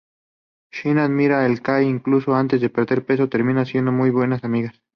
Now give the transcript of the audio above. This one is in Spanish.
Shima admira a Kae incluso antes de perder peso, terminan siendo muy buenas amigas.